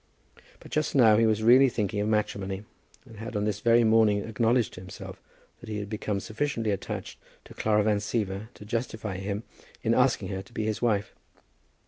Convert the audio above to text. But just now he was really thinking of matrimony, and had on this very morning acknowledged to himself that he had become sufficiently attached to Clara Van Siever to justify him in asking her to be his wife.